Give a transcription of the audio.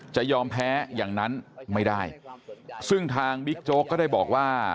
จะยอมแพ้อย่างนั้นไม่ได้ซึ่งทางบิ๊กโจ๊กก็ได้บอกว่า